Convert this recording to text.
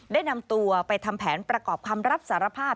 ได้นำตัวไปทำแผนประกอบคำรับสารภาพ